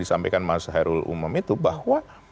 disampaikan mas herul umum itu bahwa